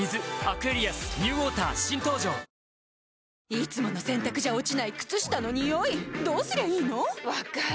いつもの洗たくじゃ落ちない靴下のニオイどうすりゃいいの⁉分かる。